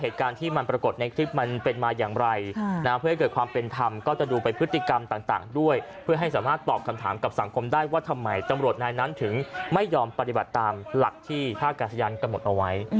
ตามหลักที่ฆ่ากัสยันกระหมดเอาไว้